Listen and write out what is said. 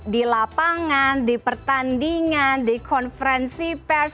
di lapangan di pertandingan di konferensi pers